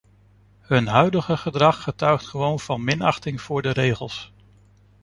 Hun huidige gedrag getuigt gewoon van minachting voor de regels.